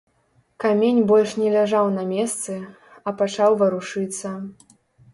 Камень больш не ляжаў на месцы, а пачаў варушыцца.